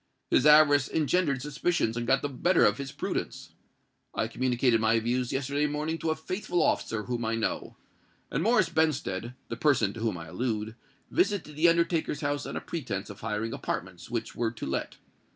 His avarice engendered suspicions and got the better of his prudence. I communicated my views yesterday morning to a faithful officer whom I know; and Morris Benstead—the person to whom I allude—visited the undertaker's house on a pretence of hiring apartments which were to let.